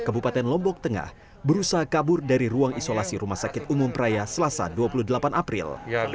kebupaten lombok tengah berusaha kabur dari ruang isolasi rumah sakit umum peraya selasa dua puluh delapan april